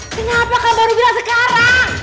kenapa kau baru bilang sekarang